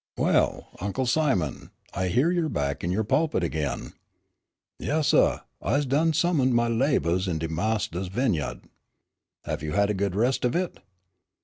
"Well, Uncle Simon, I hear that you're back in your pulpit again?" "Yes, suh, I's done 'sumed my labohs in de Mastah's vineya'd."' "Have you had a good rest of it?"